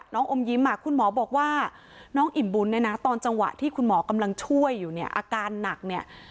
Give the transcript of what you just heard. อมยิ้มคุณหมอบอกว่าน้องอิ่มบุญเนี่ยนะตอนจังหวะที่คุณหมอกำลังช่วยอยู่เนี่ยอาการหนักเนี่ย